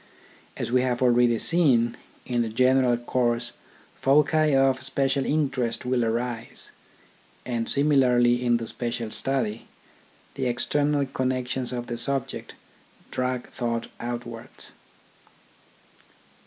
As we have already seen, in the general course foci of special interest will arise; and similarly in the special study, the external connections of the subject drag thought outwards.